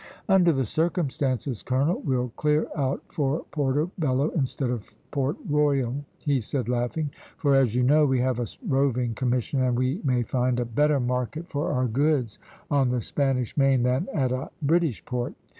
"Under the circumstances, colonel, we'll clear out for Portobello instead of Port Royal," he said, laughing; "for as you know we have a roving commission, and we may find a better market for our goods on the Spanish Main than at a British port.